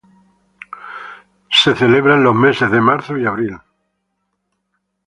Se celebra en los meses de Marzo y Abril.